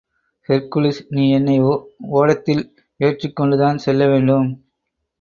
Hercules, நீ என்னை ஓடத்தில் ஏற்றிக் கொண்டுதான் செல்ல வேண்டும்!